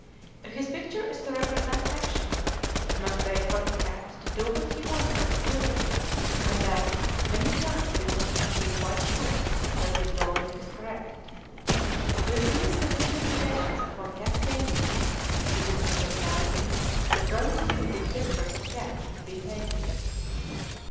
If his picture is to represent action, he must wait for the cat to do what he wants her to do, and that many times before he can be quite sure that his drawing is correct. With these severe limitations upon cat painting, it is not surprising that very few good pictures of cats have been painted.